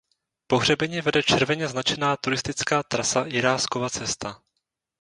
Po hřebeni vede červeně značená turistická trasa Jiráskova cesta.